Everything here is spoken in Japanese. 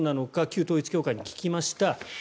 旧統一教会に聞きました。